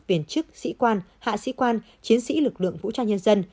viên chức sĩ quan hạ sĩ quan chiến sĩ lực lượng vũ trang nhân dân